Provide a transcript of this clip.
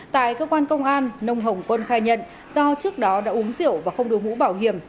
tại cơ quan công an nông hồng quân khai nhận do trước đó đã uống rượu và không đổi mũ bảo hiểm